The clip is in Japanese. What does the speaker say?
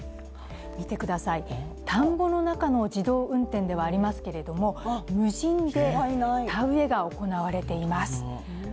田んぼの中の自動運転ではありますけれども、無人で、田植えが行われています。